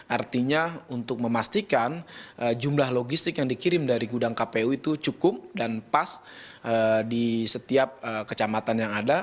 artinya untuk memastikan jumlah logistik yang dikirim dari gudang kpu itu cukup dan pas di setiap kecamatan yang ada